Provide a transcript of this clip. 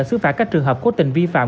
xứ phạm các trường hợp cố tình vi phạm